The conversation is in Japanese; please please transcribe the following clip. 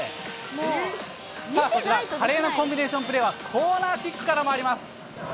さあ、こちら、華麗なコンビネーションプレーはコーナーキックからまいります。